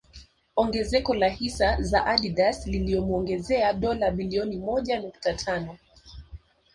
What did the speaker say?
Ongezeko la hisa za Adidas liliomuongezea dola bilioni moja nukta tano